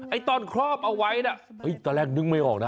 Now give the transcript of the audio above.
ตอนครอบเอาไว้น่ะเฮ้ยตอนแรกนึกไม่ออกนะ